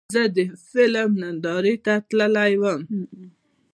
زه د فلم نندارې ته تللی وم.